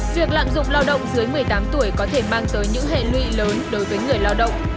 việc lạm dụng lao động dưới một mươi tám tuổi có thể mang tới những hệ lụy lớn đối với người lao động